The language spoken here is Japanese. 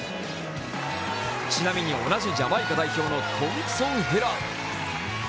ちなみに同じジャマイカ代表のトンプソン・ヘラ。